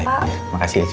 baik ya makasih ya cuu